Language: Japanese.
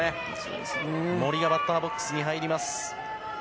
バッターボックスに入ります。